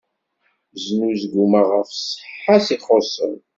Snuzgumeɣ ɣef ṣṣeḥḥa-s ixuṣṣen.